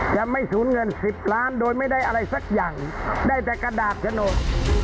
จะไม่สูญเงิน๑๐ล้านโดยไม่ได้อะไรสักอย่างได้แต่กระดาษโฉนด